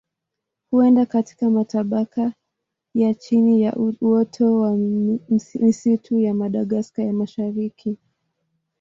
Huenda katika matabaka ya chini ya uoto wa misitu ya Madagaska ya Mashariki.